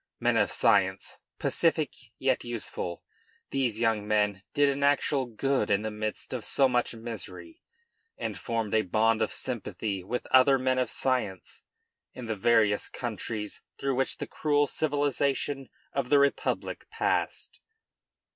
Men of science, pacific yet useful, these young men did an actual good in the midst of so much misery, and formed a bond of sympathy with other men of science in the various countries through which the cruel civilization of the Republic passed.